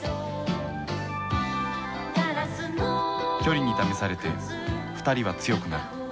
距離に試されて２人は強くなる。